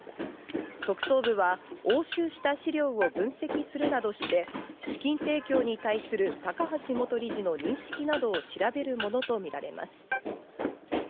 特捜部は押収した資料を分析するなどして、資金提供に対する高橋元理事の認識などを調べるものとみられます。